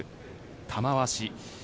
玉鷲。